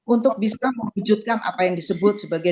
untuk bisa mewujudkan apa yang disebut sebagai